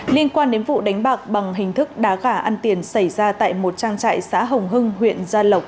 liên quan đến vụ đánh bạc bằng hình thức đá gà ăn tiền xảy ra tại một trang trại xã hồng hưng huyện gia lộc